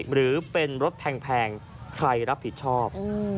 หรือเป็นรถแพงใครรับผิดชอบ